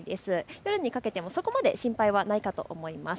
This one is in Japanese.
夜にかけてもそこまで心配はないかと思います。